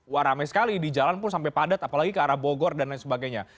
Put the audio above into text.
wah ramai sekali di jalan pun sampai padat apalagi ke arah bogor dan lain sebagainya